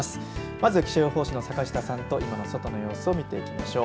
まず気象予報士の坂下さんと今の外の様子を見ていきましょう。